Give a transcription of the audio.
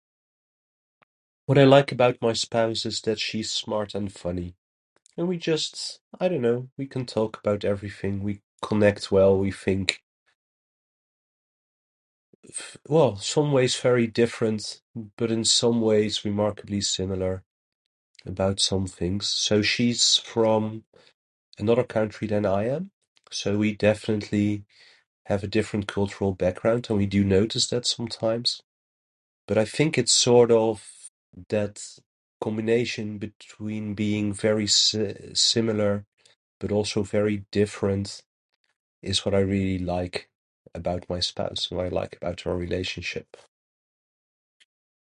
What I like about my spouse is that she's smart and funny. And we just... I dunno, we can talk about everything, we connect well, we think... well, some ways very different, but in some ways remarkably similar about some things. So, she's from another country than I am, so we definitely have a different cultural background and we do notice that sometimes. But I think it's sort of that combination between being very si- similar, but also very different, is what I really like about my spouse, what I like about our relationship.